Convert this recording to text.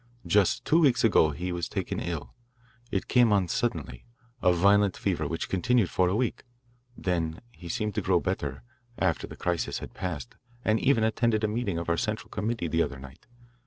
"Just two weeks ago he was taken ill. It came on suddenly, a violent fever which continued for a week. Then he seemed to grow better, after the crisis had passed, and even attended a meeting of our central committee the other night.